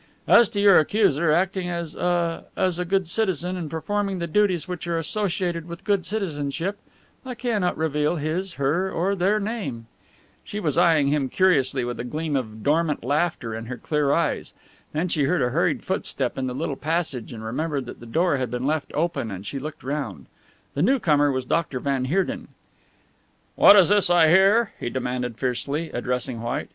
As to your accuser, acting as ah as a good citizen and performing the duties which are associated with good citizenship, I cannot reveal his, her, or their name." She was eyeing him curiously with a gleam of dormant laughter in her clear eyes. Then she heard a hurried footstep in the little passage and remembered that the door had been left open and she looked round. The new comer was Dr. van Heerden. "What is this I hear?" he demanded fiercely, addressing White.